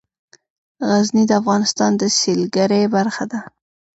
غزني د افغانستان د سیلګرۍ برخه ده.